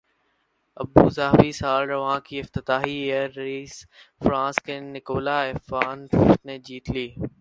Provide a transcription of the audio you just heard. Abu Dhabi سال رواں کی افتتاحی ایئر ریس فرانس کے نکولا ایوانوف نے جیت لی